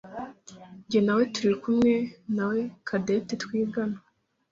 Jye nawe turi kumwe nawe Cadette twigana.